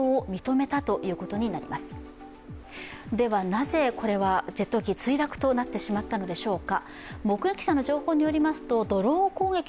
なぜ、これはジェット機墜落となってしまったのでしょうか。